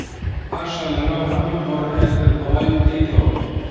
پاشان لەناو هەموو تۆڕەکانی تر بڵاوی بکەیتەوە